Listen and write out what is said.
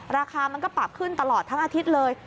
ราคามันก็ปรับขึ้นตลอดทั้งอาทิตย์เลย